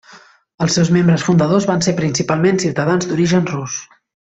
Els seus membres fundadors van ser principalment ciutadans d'origen rus.